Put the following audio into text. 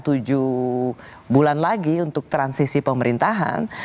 tujuh bulan lagi untuk transisi pemerintahan